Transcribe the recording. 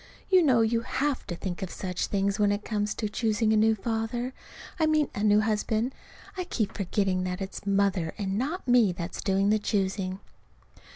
You know you have to think of such things when it comes to choosing a new father I mean a new husband. (I keep forgetting that it's Mother and not me that's doing the choosing.)